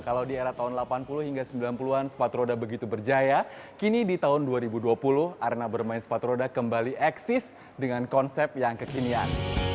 kalau di era tahun delapan puluh hingga sembilan puluh an sepatu roda begitu berjaya kini di tahun dua ribu dua puluh arena bermain sepatu roda kembali eksis dengan konsep yang kekinian